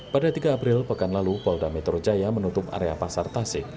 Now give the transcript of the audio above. pada tiga april pekan lalu polda metro jaya menutup area pasar tasik